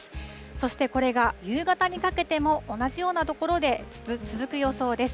そしてこれが夕方にかけても、同じような所で続く予想です。